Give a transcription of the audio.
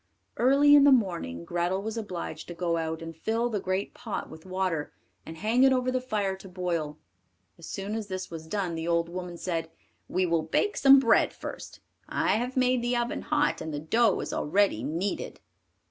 Early in the morning Grethel was obliged to go out and fill the great pot with water, and hang it over the fire to boil. As soon as this was done, the old woman said, "We will bake some bread first; I have made the oven hot, and the dough is already kneaded."